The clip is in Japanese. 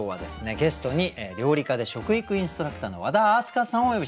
ゲストに料理家で食育インストラクターの和田明日香さんをお呼びしました。